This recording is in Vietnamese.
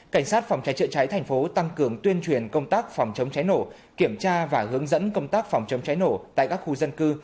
cảnh sát phòng cháy chữa cháy thành phố tăng cường tuyên truyền công tác phòng chống cháy nổ kiểm tra và hướng dẫn công tác phòng chống cháy nổ tại các khu dân cư